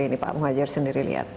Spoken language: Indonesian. ini pak muhajir sendiri lihat